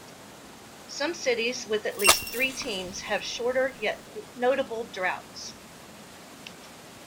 Some cities with at least three teams have shorter yet notable droughts.